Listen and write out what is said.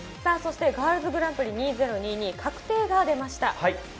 ガールズグランプリ２０２２、確定が出ました。